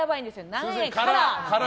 何円から。